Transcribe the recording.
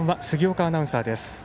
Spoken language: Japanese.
杉岡アナウンサーです。